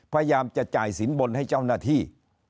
พยายามจะจ่ายสินบนให้เจ้าหน้าที่